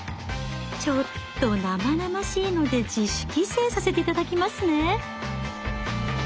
ちょっと生々しいので自主規制させて頂きますね。